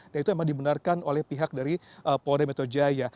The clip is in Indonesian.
dan itu memang dibenarkan oleh pihak dari polda metojaya